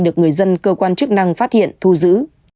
được người dân cơ quan chức năng phát hiện thu giữ